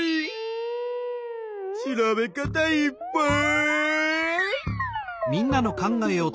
調べ方いっぱい！